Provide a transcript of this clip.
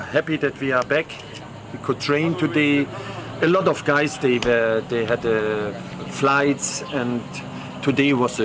setelah semuanya sudah orung arung vague tentang presi dan pertandingan